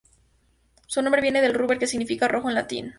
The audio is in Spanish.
Su nombre viene de "ruber", que significa 'rojo' en latín.